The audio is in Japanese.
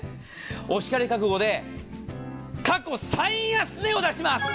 お叱り覚悟で、過去最安値を出します。